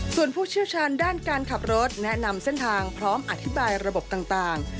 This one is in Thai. ส่วนผู้เชี่ยวชาญด้านการขับรถแนะนำเส้นทางพร้อมอธิบายระบบต่าง